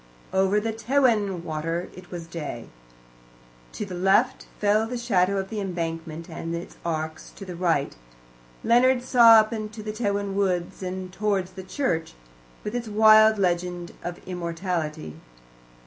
Over Tewin Water it was day. To the left fell the shadow of the embankment and its arches; to the right Leonard saw up into the Tewin Woods and towards the church, with its wild legend of immortality.